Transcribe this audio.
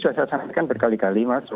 jadi sudah saya perhatikan berkali kali mas